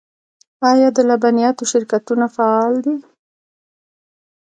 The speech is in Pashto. آیا د لبنیاتو شرکتونه فعال دي؟